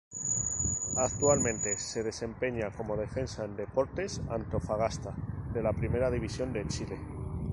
Actualmente se desempeña como defensa en Deportes Antofagasta de la Primera División de Chile.